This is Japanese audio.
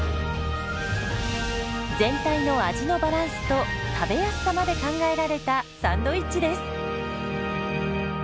全体の味のバランスと食べやすさまで考えられたサンドイッチです。